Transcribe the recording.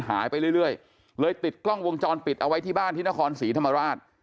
หายไปเรื่อยเลยติดกล้องวงจรปิดเอาไว้ที่บ้านที่นครศรีธรรมราช